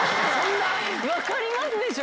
分かりますでしょ？